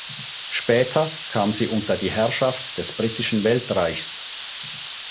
Später kam sie unter die Herrschaft des Britischen Weltreichs.